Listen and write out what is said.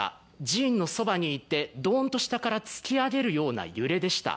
寺院のそばにいてどーんと下から突き上げるような揺れでした。